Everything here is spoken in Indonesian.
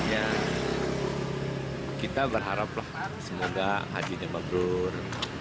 ya kita berharap lah semoga hajinya magrur